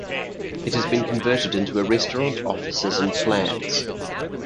It has been converted into a restaurant, offices and flats.